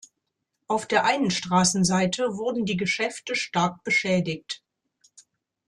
Auf der einen Straßenseite wurden die Geschäfte stark beschädigt.